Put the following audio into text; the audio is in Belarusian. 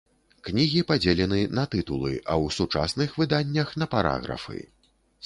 Кнігі падзелены на тытулы, а ў сучасных выданнях на параграфы.